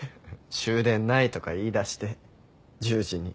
終電ないとか言いだして１０時に。